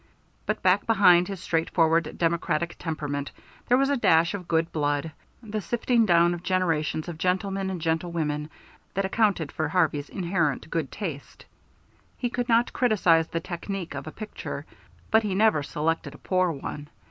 But back behind his straightforward democratic temperament there was a dash of good blood, the sifting down of generations of gentlemen and gentlewomen, that accounted for Harvey's inherent good taste. He could not criticise the technique of a picture, but he never selected a poor one.